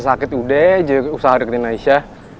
masa sakit udah aja usaha deketin aisyah